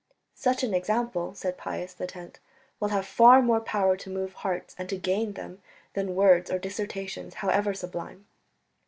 "Such an example," said Pius X, "will have far more power to move hearts and to gain them than words or dissertations, however sublime."